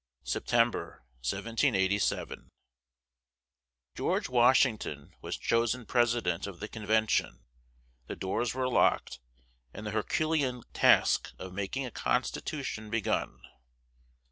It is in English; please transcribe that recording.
September, 1787. George Washington was chosen president of the convention; the doors were locked, and the Herculean task of making a constitution begun.